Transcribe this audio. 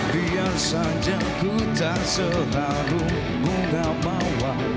biar saja ku tak selalu mengamawa